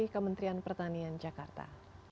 kementerian pertanian jakarta